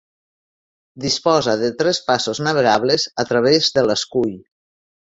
Disposa de tres passos navegables a través de l'escull.